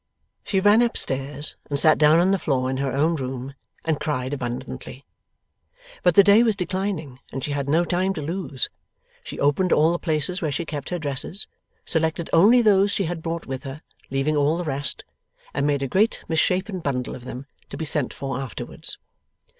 She ran up stairs, and sat down on the floor in her own room, and cried abundantly. But the day was declining and she had no time to lose. She opened all the places where she kept her dresses; selected only those she had brought with her, leaving all the rest; and made a great misshapen bundle of them, to be sent for afterwards.